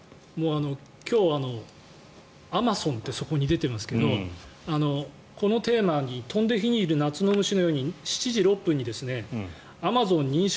今日、アマソンってそこに出てますけどこのテーマに飛んで火にいる夏の虫のように７時６分にアマゾン認証